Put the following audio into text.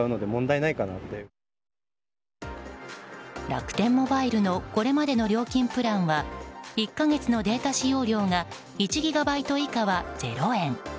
楽天モバイルのこれまでの料金プランは１か月のデータ使用量が１ギガバイト以下は０円。